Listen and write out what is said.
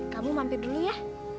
kamu mampir dulu ya